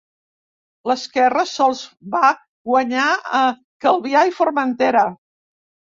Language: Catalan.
L'esquerra sols va guanyar a Calvià i Formentera.